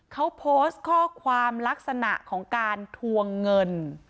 เขาโพสต์ข้อความลักษณะของการทวงเงิน